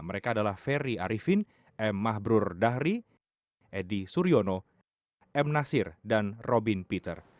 mereka adalah ferry arifin m mahbrur dahri edi suryono m nasir dan robin peter